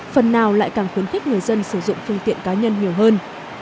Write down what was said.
phần nào lại càng khuyến khích người dân sử dụng phương tiện cá nhân nhiều hơn